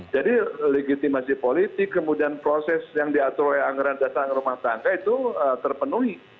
jadi legitimasi politik kemudian proses yang diatur oleh anggaran dasar anggaran rumah tanda itu terpenuhi